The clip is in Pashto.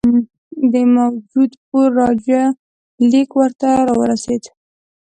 د جودپور راجا لیک ورته را ورسېد.